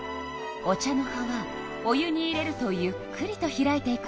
お茶の葉はお湯に入れるとゆっくりと開いていくわ。